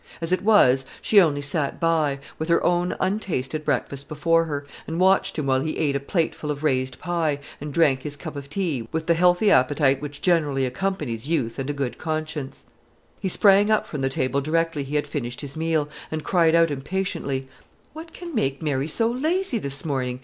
As it was, she only sat by, with her own untasted breakfast before her, and watched him while he ate a plateful of raised pie, and drank his cup of tea, with the healthy appetite which generally accompanies youth and a good conscience. He sprang up from the table directly he had finished his meal, and cried out impatiently, "What can make Mary so lazy this morning?